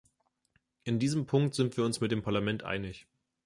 In diesem Punkt sind wir uns mit dem Parlament einig.